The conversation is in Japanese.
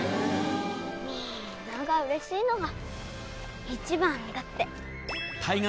みんながうれしいのが一番だって。